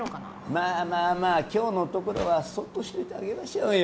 まあまあまあ今日のところはそっとしといてあげましょうよ。